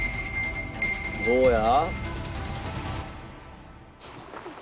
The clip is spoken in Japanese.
どうや？